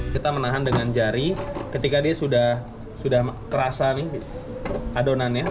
kita menahan dengan jari ketika dia sudah kerasa nih adonannya